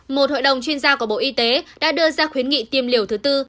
một hội đồng chuyên gia của bộ y tế đã đưa ra khuyến nghị tiêm liều thứ tư